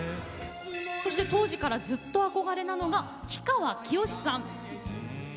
当時からずっと憧れなのが氷川きよしさん。